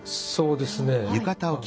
そうですね。